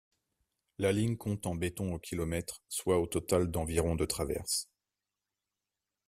La ligne compte en béton au kilomètre, soit au total d'environ de traverses.